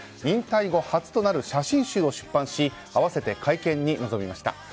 引退後初となる写真集を出版し合わせて会見に臨みました。